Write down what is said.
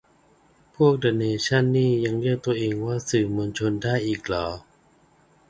พวกเดอะเนชั่นนี่ยังเรียกตัวเองว่าสื่อมวลชนได้อีกเหรอ